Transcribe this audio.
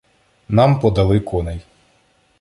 Нам подали коней.